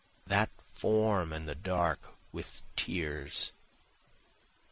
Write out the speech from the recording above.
that form in the dark, with tears?